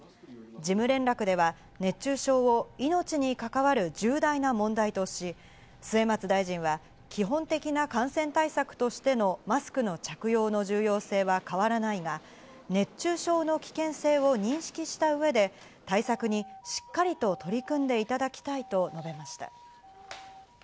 事務連絡では熱中症を命に関わる重大な問題とし、末松大臣は基本的な感染対策としてのマスクの着用の重要性は変わらないが、熱中症の危険性を認識した上で対策にしっかりと取り組んでいただきたいと述べました。